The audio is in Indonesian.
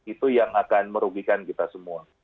itu yang akan merugikan kita semua